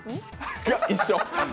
いや、一緒。